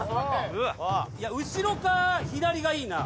後ろか左がいいな。